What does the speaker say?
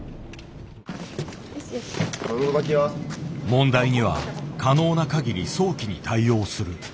問題には可能な限り早期に対応する。